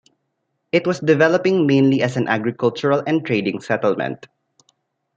It was developing mainly as an agricultural and trading settlement.